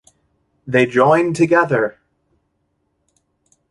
They joined together.